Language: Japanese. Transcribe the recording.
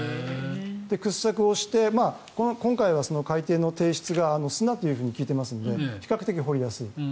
掘削をして今回は海底の底質が砂と聞いていますので比較的掘りやすい。